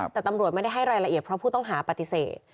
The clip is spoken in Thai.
แต่ตำรวจไม่ได้ให้รายละเอียดเพราะผู้ต้องหาปฏิเสธ